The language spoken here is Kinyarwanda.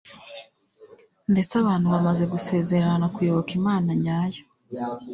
ndetse abantu bamaze gusezerana kuyoboka Imana nyayo